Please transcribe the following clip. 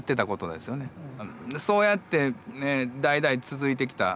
そうやって代々続いてきた。